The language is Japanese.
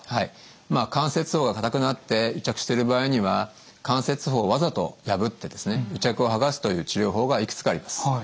まあ関節包が硬くなって癒着してる場合には関節包をわざと破って癒着を剥がすという治療法がいくつかあります。